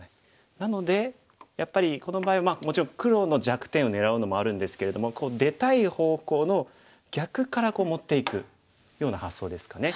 なのでやっぱりこの場合はもちろん黒の弱点を狙うのもあるんですけれども出たい方向の逆から持っていくような発想ですかね。